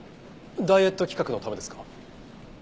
ダイエット企画のためですか？